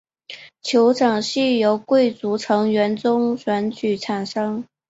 酋长系由贵族成员中选举产生。